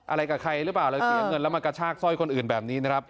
อะไรกับใครหรือเปล่าเลยเสียเงินแล้วมากระชากสร้อยคนอื่นแบบนี้นะครับ